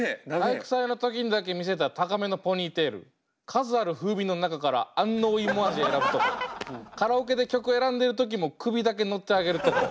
「体育祭のときにだけ見せた高めのポニーテール数ある風味の中から安納芋味選ぶとこカラオケで曲選んでる時も首だけノッてあげるとこ